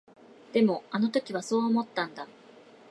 でも、あの時はそう思ったんだ。